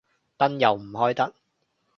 燈又唔開得